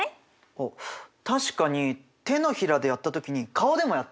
あっ確かに手のひらでやった時に顔でもやったね。